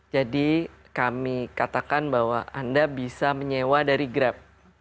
jadi kami katakan bahwa anda bisa menyewa dari grab